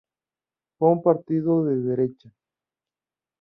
Fue un partido de derecha.